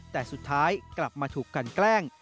แต่สุดท้ายกลับมาถูกกันแกล้ง